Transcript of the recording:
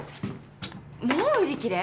もう売り切れ？